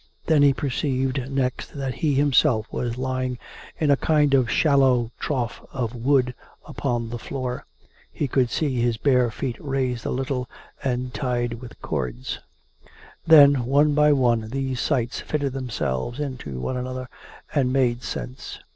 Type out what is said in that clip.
... Then he perceived next that he himself was lying in a kind of shallow trough 44A COME RACK! COME ROPE! 447 of wood upon the floor. He could see his bare feet raised a little and tied with cords. Then, one by one, these sights fitted themselves into one another and made sense.